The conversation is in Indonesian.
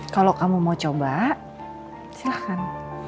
kalau kamu mau coba silahkan